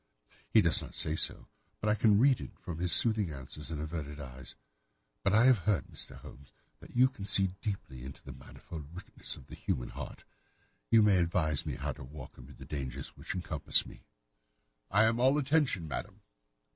He does not say so, but I can read it from his soothing answers and averted eyes. But I have heard, Mr. Holmes, that you can see deeply into the manifold wickedness of the human heart. You may advise me how to walk amid the dangers which encompass me." "I am all attention, madam."